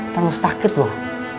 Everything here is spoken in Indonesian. terus sakit loh